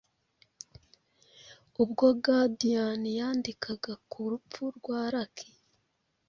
ubwo Guardian yandikaga ku rupfu rwa Lucky